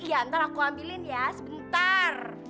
iya ntar aku ambilin ya sebentar